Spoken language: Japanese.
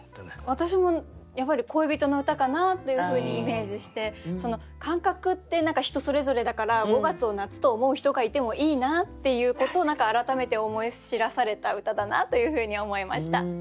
私もやっぱり恋人の歌かなというふうにイメージして感覚って人それぞれだから５月を夏と思う人がいてもいいなっていうことを改めて思い知らされた歌だなというふうに思いました。